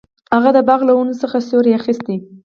هغه د باغ له ونو څخه سیوری اخیست.